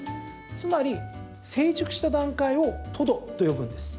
つまり成熟した段階をトドと呼ぶんです。